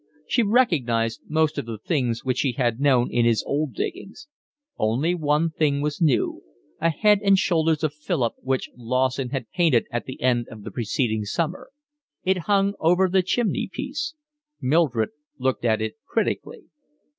She recognised most of the things which she had known in his old diggings. Only one thing was new, a head and shoulders of Philip which Lawson had painted at the end of the preceding summer; it hung over the chimney piece; Mildred looked at it critically.